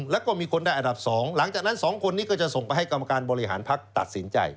และมีคนได้อันดับ๒หลังจากนั้น๒คนนี้ก็ส่งมากรรมการบริหารพักษณ์ตัดสินใจ